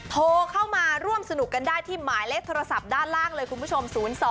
โทรเข้ามาร่วมสนุกกันได้ที่หมายเลขโทรศัพท์ด้านล่างเลยคุณผู้ชม